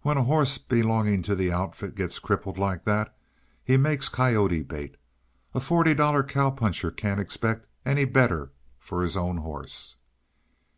"When a horse belonging to the outfit gets crippled like that, he makes coyote bait. A forty dollar cow puncher can't expect any better for his own horse."